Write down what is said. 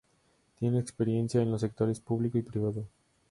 Tiene experiencia en los sectores público y privado.